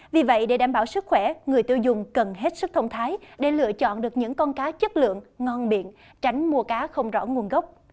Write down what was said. vì vậy để đảm bảo sức khỏe người tiêu dùng cần hết sức thông thái để lựa chọn được những con cá chất lượng ngon biện tránh mua cá không rõ nguồn gốc